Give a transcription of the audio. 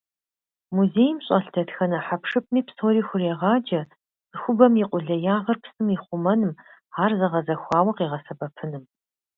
Музейм щӀэлъ дэтхэнэ хьэпшыпми псори хурегъаджэ цӀыхубэм и къулеягъыр псыр ихъумэным, ар зэгъэзэхуауэ къигъэсэбэпыным.